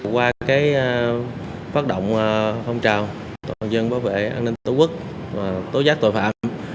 qua cái phát động phong trào tổng dân bảo vệ an ninh tổ quốc và tối giác tội phạm